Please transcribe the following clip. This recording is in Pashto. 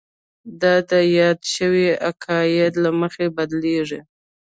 دا د یادې شوې قاعدې له مخې بدلیږي.